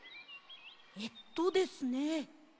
えっとですね